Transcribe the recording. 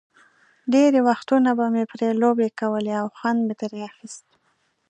ډېری وختونه به مې پرې لوبې کولې او خوند مې ترې اخیست.